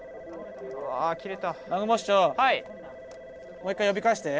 もう一回呼び返して。